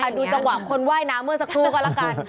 ดูจังหวะคนว่ายน้ำเมื่อสักครู่ก็แล้วกัน